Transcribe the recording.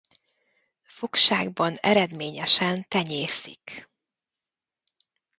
Fogságban eredményesen tenyésztik.